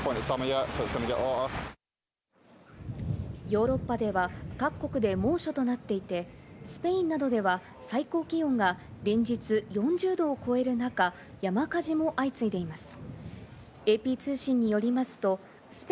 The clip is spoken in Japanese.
ヨーロッパでは各国で猛暑となっていて、スペインなどでは最高気温が連日４０度を超える中、山火事も相次いでいます。